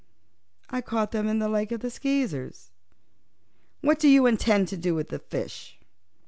"I caught them in the Lake of the Skeezers." "What do you intend to do with the fishes?"